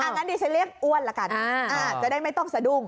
งั้นดิฉันเรียกอ้วนละกันจะได้ไม่ต้องสะดุ้ง